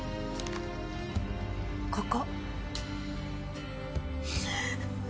ここ。